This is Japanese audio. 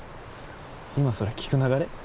今それ聞く流れ？